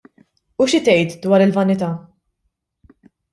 U xi tgħid dwar il-vanità?